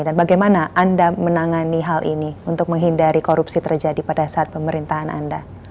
dan bagaimana anda menangani hal ini untuk menghindari korupsi terjadi pada saat pemerintahan anda